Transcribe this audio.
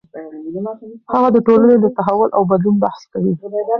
هغه د ټولنې د تحول او بدلون بحث کوي.